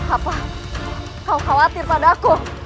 apa kau khawatir padaku